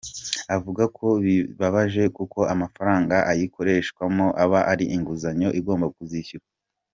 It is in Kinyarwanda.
Avuga ko bibabaje kuko amafaranga ayikoreshwamo aba ari inguzanyo igomba kuzishyurwa.